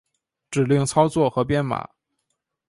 指令操作和编码